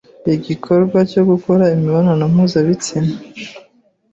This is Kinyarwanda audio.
Igikorwa cyo gukora imibonano mpuzabitsina